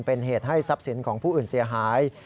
เป็นเหตุให้ทรัพย์สินของผู้อื่นเสียหาย